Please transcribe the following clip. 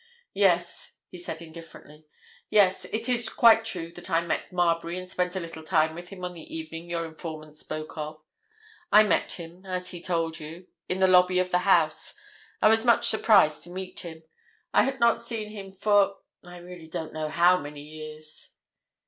"Yes," he said indifferently. "Yes, it is quite true that I met Marbury and spent a little time with him on the evening your informant spoke of. I met him, as he told you, in the lobby of the House. I was much surprised to meet him. I had not seen him for—I really don't know how many years."